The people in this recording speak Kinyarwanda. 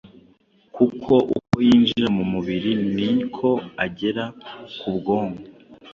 kuko uko yinjira mu mubiri ni ko agera ku bwonko”.